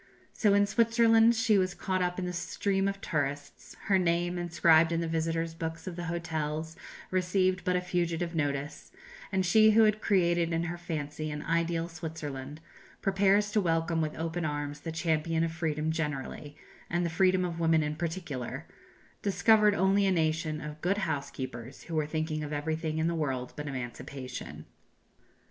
So in Switzerland: she was caught up in the stream of tourists; her name, inscribed in the visitors' books of the hotels, received but a fugitive notice; and she who had created in her fancy an ideal Switzerland, prepared to welcome with open arms the champion of freedom generally, and the freedom of women in particular discovered only a nation of good housekeepers, who were thinking of everything in the world but emancipation.